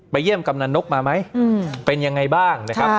เยี่ยมกำนันนกมาไหมเป็นยังไงบ้างนะครับ